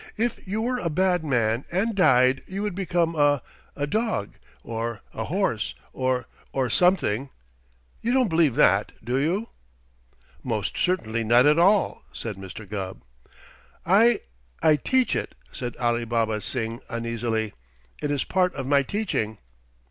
If you were a bad man and died you would become a a dog, or a horse, or or something. You don't believe that, do you?" "Most certainly not at all!" said Mr. Gubb. "I I teach it," said Alibaba Singh uneasily. "It is part of my teaching."